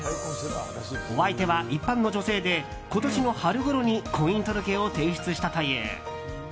お相手は一般の女性で今年の春ごろに婚姻届を提出したという。